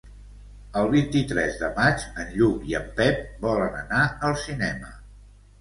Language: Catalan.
El vint-i-tres de maig en Lluc i en Pep volen anar al cinema.